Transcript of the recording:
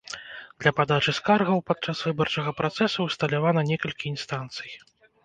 Для падачы скаргаў падчас выбарчага працэсу ўсталявана некалькі інстанцый.